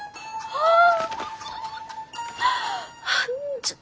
ああ！